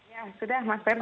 ya sudah mas ferdin